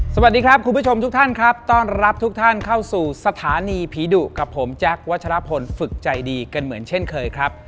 สวัสดีครับคุณผู้ชมทุกท่านครับต้อนรับทุกท่านเข้าสู่สถานีผีดุกับผมแจ๊ควัชลพลฝึกใจดีกันเหมือนเช่นเคยครับ